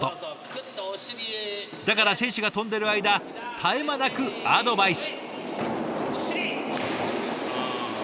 だから選手が飛んでいる間絶え間なくアドバイス。